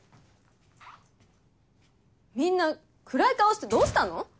みんなくらい顔してどうしたの？